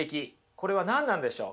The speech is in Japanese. これは何なんでしょう？